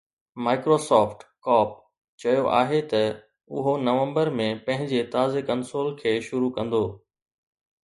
Microsoft Corp چيو آهي ته اهو نومبر ۾ پنهنجي تازي ڪنسول کي شروع ڪندو